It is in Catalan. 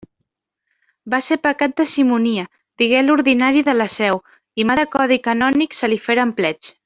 Va ser pecat de simonia, digué l'ordinari de la Seu, i mà de codi canònic se li feren plets.